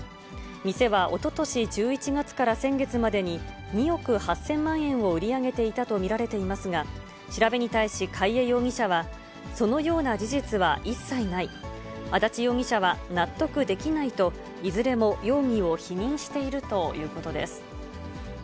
店はおととし１１月から先月までに、２億８０００万円を売り上げていたと見られていますが、調べに対し貝江容疑者は、そのような事実は一切ない、安達容疑者は納得できないと、いずれも容疑を否認しているということです。